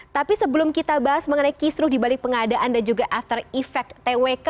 tapi sebelum kita bahas mengenai kisruh dibalik pengadaan dan juga after effect twk